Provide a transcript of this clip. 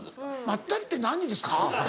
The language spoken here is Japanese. まったりって何ですか？